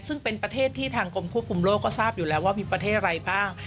ซึ่งเป็นประเทศที่ทางกรมควบคุมโลกก็ทราบอยู่แล้วว่ามีประเทศอะไรบ้าง